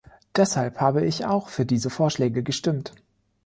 Deshalb habe auch ich für diese Vorschläge gestimmt.